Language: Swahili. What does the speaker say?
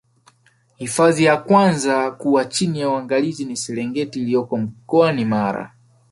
hifadhi ya kwanza kuwa chini ya uangalizi ni serengeti iliyopo mkoani mara